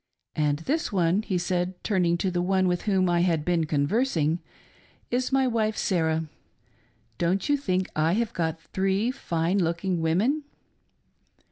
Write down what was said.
And this one," he said, turning to the one with whom I had been conversing, "is my wife Sarah. Don't you think I have got three fine looking women